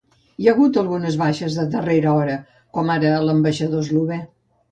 Hi ha hagut algunes baixes de darrera hora, com ara l’ambaixador eslovè.